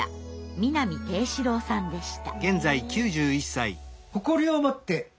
南定四郎さんでした。